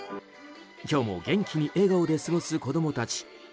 今日も元気に笑顔で過ごす子供たち。